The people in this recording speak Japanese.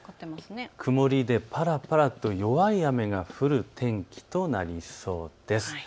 曇りでぱらぱらと弱い雨が降る天気となりそうです。